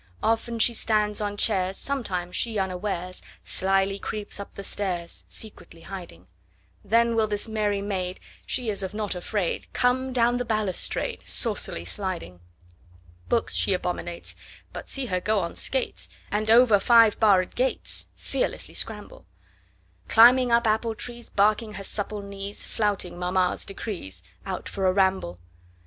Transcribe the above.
Often she stands on chairs, Sometimes she unawaresSlyly creeps up the stairs, Secretly hiding:Then will this merry maid—She is of nought afraid—Come down the balustrade, Saucily sliding! Books she abominates, But see her go on skates, And over five barr'd gatesFearlessly scramble! Climbing up apple trees, Barking her supple knees, Flouting mamma's decrees, Out for a ramble.